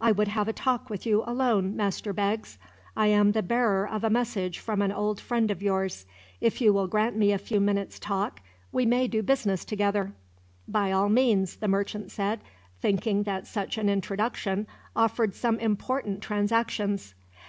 "I would have a talk with you alone, Master Beggs. I am the bearer of a message from an old friend of yours. If you will grant me a few minutes' talk, we may do business together." "By all means," the merchant said, thinking that such an introduction offered some important transactions.